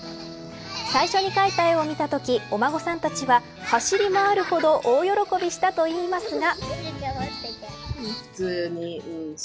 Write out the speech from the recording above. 最初に描いた絵を見たときお孫さんたちは走り回るほど大喜びしたといいますが。